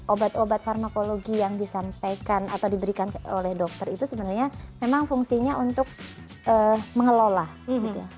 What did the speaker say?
obat obat farmakologi yang disampaikan atau diberikan oleh dokter itu sebenarnya memang fungsinya untuk mengelola gitu ya